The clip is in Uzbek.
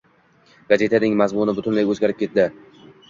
gazetaning mazmuni butunlay o'zgarib ketdi.